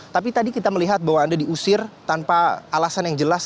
tapi tadi kita melihat bahwa anda diusir tanpa alasan yang jelas